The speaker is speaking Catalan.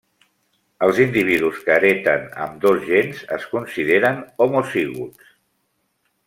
Els individus que hereten ambdós gens es consideren homozigots.